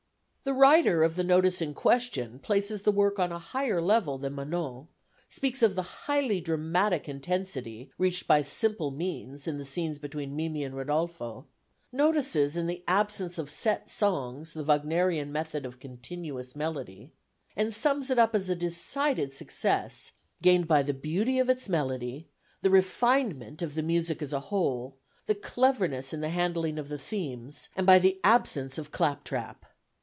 The writer of the notice in question places the work on a higher level than Manon, speaks of the highly dramatic intensity reached by simple means in the scenes between Mimi and Rodolfo, notices in the absence of set songs the Wagnerian method of continuous melody, and sums it up as a decided success gained by the beauty of its melody, the refinement of the music as a whole, the cleverness in the handling of the themes, and by the absence of clap trap.